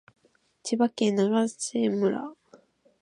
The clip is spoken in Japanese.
千葉県長生村